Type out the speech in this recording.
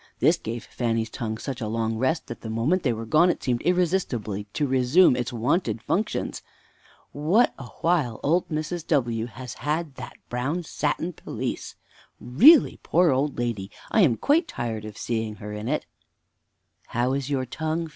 This gave Fanny's tongue such a long rest that the moment they were gone it seemed irresistibly to resume its wonted functions. Fanny. What a while old Mrs. W. has had that brown satin pelisse! Really, poor old lady, I am quite tired of seeing her in it! Mother. How is your tongue, Fanny?